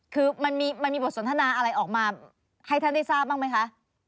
คือมันมีบทสนทนาอะไรออกมาให้ท่านได้ทราบบ้างไหมคะ